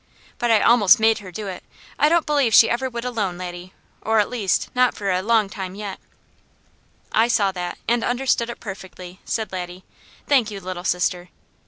But I almost made her do it. I don't believe she ever would alone, Laddie, or at least not for a long time yet." "I saw that, and understood it perfectly," said Laddie. "Thank you, Little Sister."